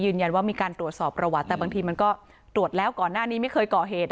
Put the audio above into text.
มีการตรวจสอบประวัติแต่บางทีมันก็ตรวจแล้วก่อนหน้านี้ไม่เคยก่อเหตุ